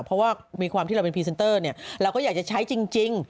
เพราะว่ามีความที่เราเป็นพรีเซนเตอร์เนี่ยเราก็อยากจะใช้จริง